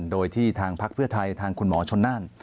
โดยที่ทางพักเพื่อไทยทางคุณหมอชนนั่น